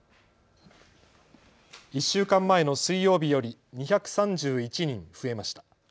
１週間前の水曜日より２３１人増えました。